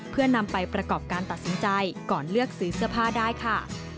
เพื่อนำไปประกอบการตัดสินใจก่อนเลือกซื้อเสื้อผ้าได้ค่ะ